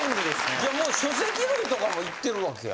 じゃもう書籍類とかもいってるわけや。